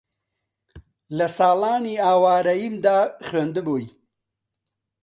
لە ساڵانی ئاوارەییمدا خوێندبووی